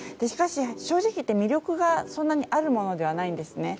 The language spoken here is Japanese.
しかし、正直言って魅力がそんなにあるものではないんです。